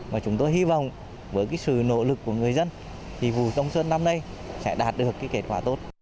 và chúng tôi hy vọng với sự nỗ lực của người dân thì vùng sông sơn năm nay sẽ đạt được kết quả